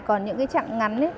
còn những trạng ngắn